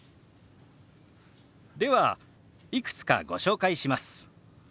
ではいくつかご紹介します。